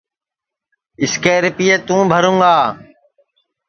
اِس کے رِیپئے توں بھروں گا